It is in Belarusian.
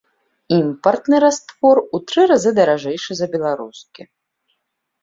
Імпартны раствор у тры разы даражэйшы за беларускі.